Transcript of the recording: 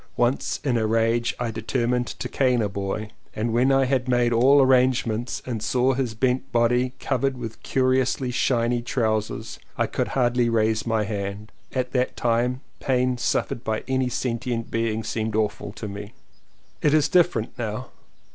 Once in a rage I determined to cane a boy. When I had made all arrangements and saw his bent body covered with curiously shiny trousers I could hardly raise my hand. At that time pain suffered by any sentient being seemed awful to me. It is different now.